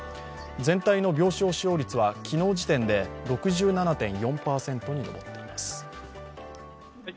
全体の病床使用率は昨日時点で６７．４％に上っています。